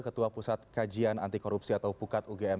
ketua pusat kajian anti korupsi atau pukat ugm